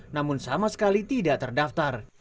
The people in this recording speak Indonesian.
namun sama sekali tidak terdaftar